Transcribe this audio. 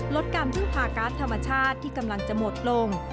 ลดการพึ่งพาการ์ดธรรมชาติที่กำลังจะหมดลง